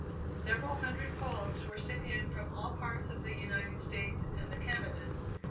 Several hundred "poems" were sent in from all parts of the United States and the Canadas.